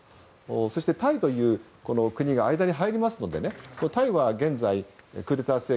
そしてタイという国が間に入りますのでタイは現在クーデター政権